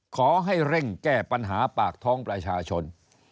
ขอให้เร่งแก้ปัญหาปากท้องประชาชน